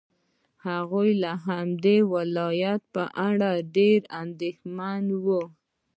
هغوی د همدې ولادت په اړه ډېر اندېښمن وو.